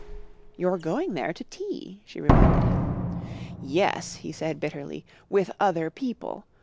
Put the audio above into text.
"You're going there to tea," she reminded him. "Yes," he said bitterly, "with other people.